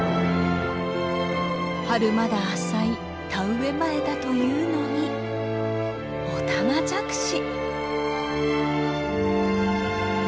春まだ浅い田植え前だというのにオタマジャクシ！